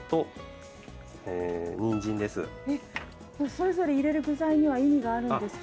それぞれ入れる具材には意味があるんですか？